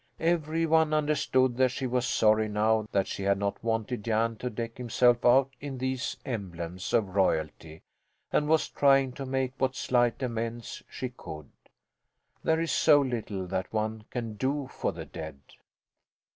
Every one understood that she was sorry now that she had not wanted Jan to deck himself out in these emblems of royalty and was trying to make what slight amends she could. There is so little that one can do for the dead!